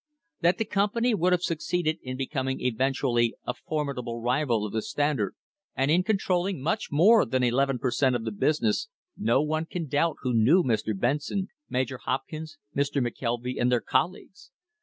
That the company would have suc ceeded in becoming eventually a formidable rival of the Stand ard, and in controlling much more than eleven per cent, of the business, no one can doubt who knew Mr. Benson, Major Hopkins, Mr. McKelvy, and their colleagues.